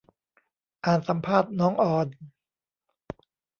อ่านสัมภาษณ์น้องออน